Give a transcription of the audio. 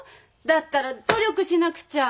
だったら努力しなくちゃ！